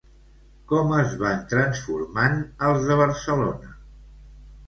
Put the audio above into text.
Com es van transformant els de Barcelona?